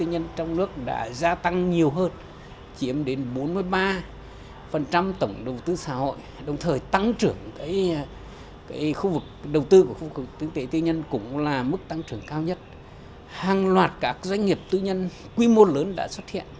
hàng loạt các doanh nghiệp tư nhân quy mô lớn đã xuất hiện